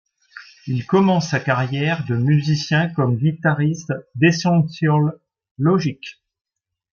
Il commence sa carrière de musicien comme guitariste d'Essential Logic.